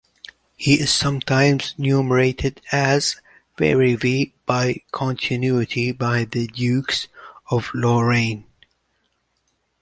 He is sometimes numerated as Ferry V by continuity by the dukes of Lorraine.